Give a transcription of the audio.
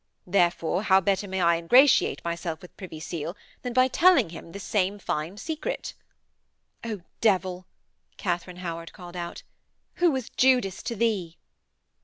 Therefore, how better may I ingratiate myself with Privy Seal than by telling him this same fine secret?' 'Oh, devil!' Katharine Howard called out. 'Who was Judas to thee?'